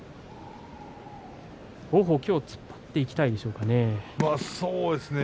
王鵬、きょうは突っ張っていきたいでしょうかね。